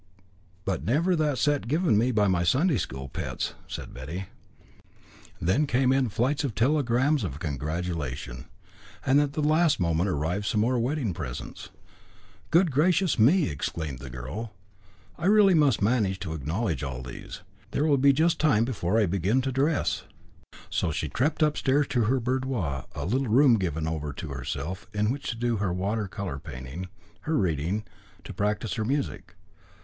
"But never that set given me by my Sunday school pets," said Betty. Then came in flights of telegrams of congratulation. And at the last moment arrived some more wedding presents. "Good gracious me!" exclaimed the girl, "I really must manage to acknowledge these. There will be just time before I begin to dress." So she tripped upstairs to her boudoir, a little room given over to herself in which to do her water colour painting, her reading, to practise her music.